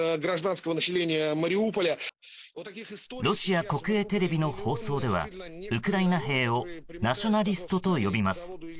ロシア国営テレビの放送ではウクライナ兵をナショナリストと呼びます。